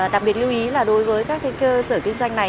đặc biệt lưu ý là đối với các cơ sở kinh doanh này